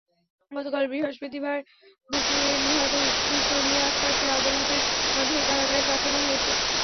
গতকাল বৃহস্পতিবার দুপুরে নিহতের স্ত্রী সোনিয়া আক্তারকে আদালতের মাধ্যমে কারাগারে পাঠানো হয়েছে।